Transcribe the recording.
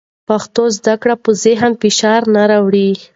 پښتو زده کړه په ذهن فشار نه راوړي.